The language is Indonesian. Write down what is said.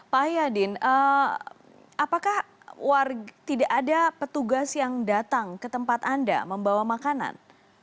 pak yadin apakah tidak ada petugas yang datang ke tempat anda membawa makanan